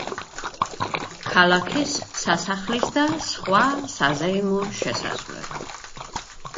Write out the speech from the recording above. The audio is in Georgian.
ქალაქის, სასახლის და და სხვა საზეიმო შესასვლელი.